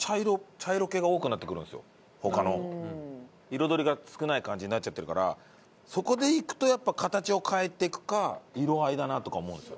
彩りが少ない感じになっちゃってるからそこでいくとやっぱ形を変えてくか色合いだなとか思うんですよ。